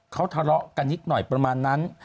เขาทะเลาะกันนิดหน่อยประมาณนั้น